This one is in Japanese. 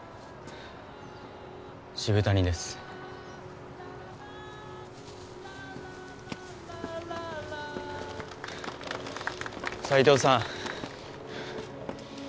渋谷です斎藤さん